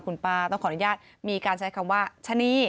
คุณป้าต้องขออนุญาตมีการใช้คำว่าชะนี